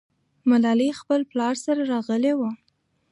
ملالۍ خپل پلار سره راغلې وه.